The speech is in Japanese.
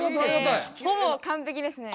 ほぼ完璧ですね。